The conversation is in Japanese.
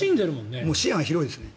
視野が広いですね。